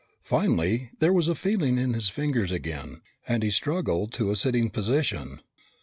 Finally there was feeling in his fingers again and he struggled to a sitting position.